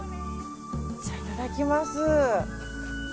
じゃあ、いただきます。